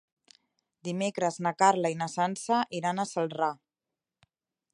Dimecres na Carla i na Sança iran a Celrà.